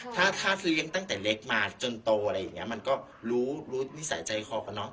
ถ้าถ้าคือเลี้ยงตั้งแต่เล็กมาจนโตอะไรอย่างเงี้ยมันก็รู้รู้นิสัยใจคอปะเนาะ